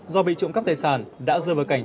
do bị trụng cắp tài sản đã dơ vào cảnh